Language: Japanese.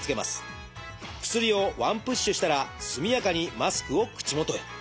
薬を１プッシュしたら速やかにマスクを口元へ。